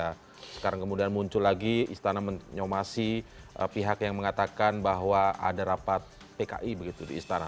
nah sekarang kemudian muncul lagi istana menyomasi pihak yang mengatakan bahwa ada rapat pki begitu di istana